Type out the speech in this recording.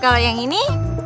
kalau yang ini